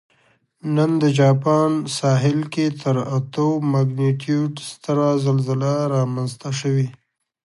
نن د جاپان ساحل کې تر اتو مګنیټیوډ ستره زلزله رامنځته شوې